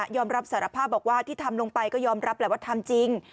อมรับสารภาพบอกว่าที่ทำลงไปก็ยอมรับแหละว่าทำจริง